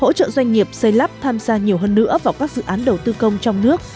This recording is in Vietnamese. hỗ trợ doanh nghiệp xây lắp tham gia nhiều hơn nữa vào các dự án đầu tư công trong nước